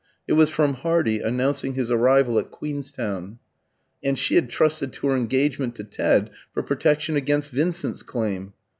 It was from Hardy, announcing his arrival at Queenstown. And she had trusted to her engagement to Ted for protection against Vincent's claim.